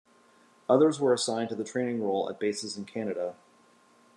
Others were assigned to the training role at bases in Canada.